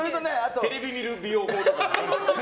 テレビ見る美容法。